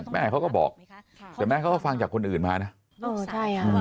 แม่เขาก็บอกแม่ก็ฟังจากคนอื่นมานะ